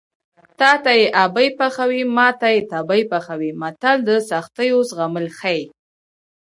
تاته یې ابۍ پخوي ماته یې تبۍ پخوي متل د سختیو زغمل ښيي